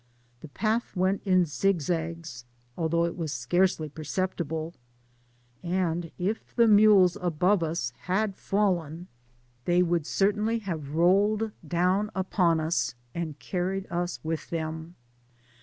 The path went in zig zags, although it was scarcely perceptible, and if the mules above us had fallen, they would certainly have rolled down upon us, and carried us with them.